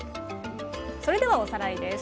それではおさらいです。